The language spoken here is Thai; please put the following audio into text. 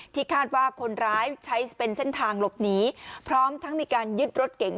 คาดว่าคนร้ายใช้เป็นเส้นทางหลบหนีพร้อมทั้งมีการยึดรถเก๋ง